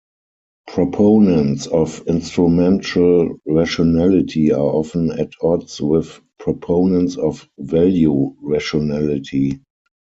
Proponents of instrumental rationality are often at odds with proponents of value rationality.